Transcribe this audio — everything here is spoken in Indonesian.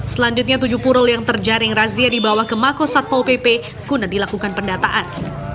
selanjutnya tujuh purul yang terjaring razia dibawa ke makosat pol pp kuna dilakukan pendataan